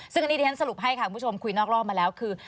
ซึ่งอันนี้ที่ฉันสรุปให้ค่ะคุณผู้ชมคุยนอกรอบมาแล้วคือ